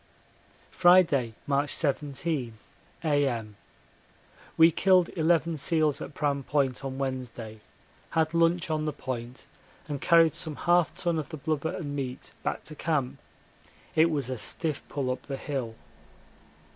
Friday, March 17, A.M. We killed eleven seals at Pram Point on Wednesday, had lunch on the Point, and carried some half ton of the blubber and meat back to camp it was a stiff pull up the hill.